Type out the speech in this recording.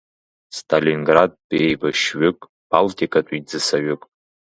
Сталинградтәи еибашьҩык, балтикатәи ӡысаҩык.